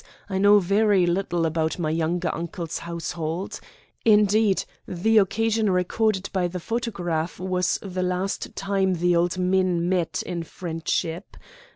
I know very little about my younger uncle's household. Indeed, the occasion recorded by the photograph was the last time the old men met in friendship.